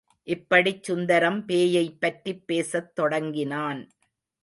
இப்படிச் சுந்தரம் பேயை பற்றிப் பேசத் தொடங்கினான்.